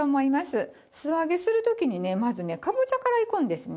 素揚げする時にねまずねかぼちゃからいくんですね。